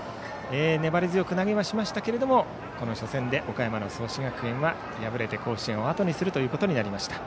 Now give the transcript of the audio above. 粘り強く投げはしましたけれどもこの初戦で岡山の創志学園は敗れて、甲子園をあとにすることになりました。